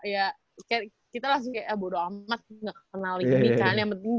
ya kita langsung kayak bodo amat gak kenalin ini kan